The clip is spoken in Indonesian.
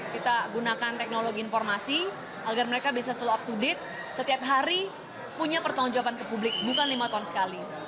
kita gunakan teknologi informasi agar mereka bisa selalu up to date setiap hari punya pertanggung jawaban ke publik bukan lima tahun sekali